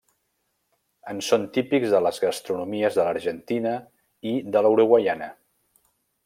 En són típics de les gastronomies de l'argentina i de la uruguaiana.